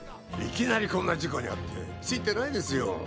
いきなりこんな事故に遭ってついてないですよ。